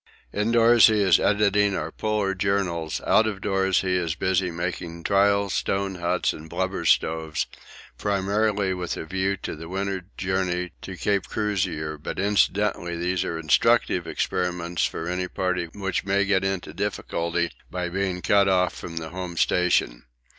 Indoors he is editing our Polar journal, out of doors he is busy making trial stone huts and blubber stoves, primarily with a view to the winter journey to Cape Crozier, but incidentally these are instructive experiments for any party which may get into difficulty by being cut off from the home station.